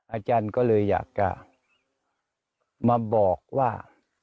อาจารย์ก็เลยอยากจะมาบอกว่า